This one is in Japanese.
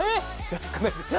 安くないですか？